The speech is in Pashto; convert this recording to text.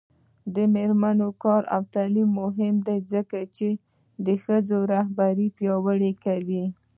د میرمنو کار او تعلیم مهم دی ځکه چې ښځو رهبري پیاوړې کوي.